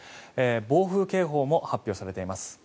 暴風警報も発表されています。